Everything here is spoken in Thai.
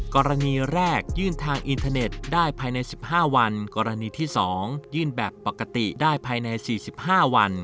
กรณีแรกยื่นทางอินเทอร์เน็ตได้ภายใน๑๕วันกรณีที่๒ยื่นแบบปกติได้ภายใน๔๕วัน